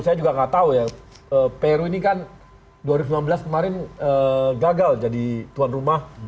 saya juga nggak tahu ya peru ini kan dua ribu sembilan belas kemarin gagal jadi tuan rumah